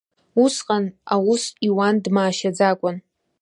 Усҟан аус иуан дмаашьаӡакәан.